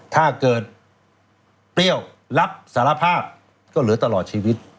ถ้าเกิดเปรี้ยวรับสารภาพก็เหลือตลอดชีวิต